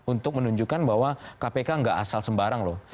untuk menunjukkan bahwa kpk nggak asal sembarang loh